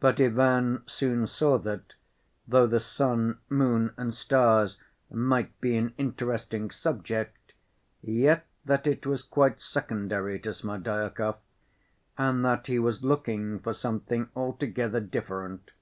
But Ivan soon saw that, though the sun, moon, and stars might be an interesting subject, yet that it was quite secondary to Smerdyakov, and that he was looking for something altogether different.